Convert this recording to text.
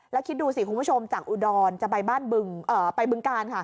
แล้วคิดดูสิคุณผู้ชมจากอุดรจะไปบ้านไปบึงกาลค่ะ